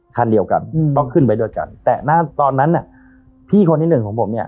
คันเดียวกันอืมต้องขึ้นไปด้วยกันแต่หน้าตอนนั้นน่ะพี่คนที่หนึ่งของผมเนี่ย